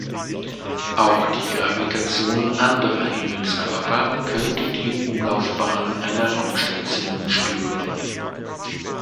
Auch die Gravitation anderer Himmelskörper könnte die Umlaufbahn einer Raumstation stören.